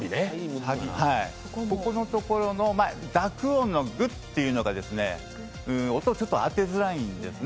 ここのところの濁音の「ぐ」っていうところが音をちょっと当てづらいんですね。